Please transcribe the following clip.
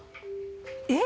えっ？